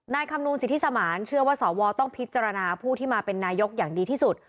คำนวณสิทธิสมานเชื่อว่าสวต้องพิจารณาผู้ที่มาเป็นนายกอย่างดีที่สุด